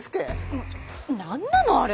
何なのあれ！